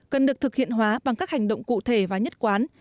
cần được thực hiện hóa bằng các hành động cụ thể và nhất quán